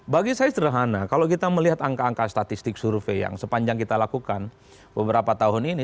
bagi saya sederhana kalau kita melihat angka angka statistik survei yang sepanjang kita lakukan beberapa tahun ini